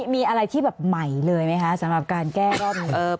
มีอะไรที่แบบใหม่เลยไหมคะสำหรับการแก้รอบนี้